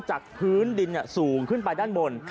จากพื้นดินสูงขึ้นไปด้านบน